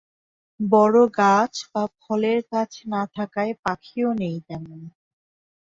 বড়গাছ বা ফলের গাছ না থাকায় পাখিও নেই তেমন।